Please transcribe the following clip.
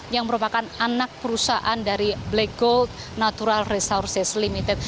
yang merupakan anak perusahaan dari black gold natural resources limited